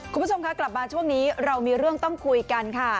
คุณผู้ชมคะกลับมาช่วงนี้เรามีเรื่องต้องคุยกันค่ะ